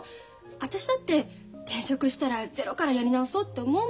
私だって転職したらゼロからやり直そうって思うもん。